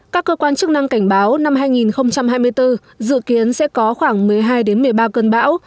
các cơ quan chức năng cảnh báo năm hai nghìn hai mươi bốn dự kiến sẽ có khoảng một mươi hai một mươi ba cơn bão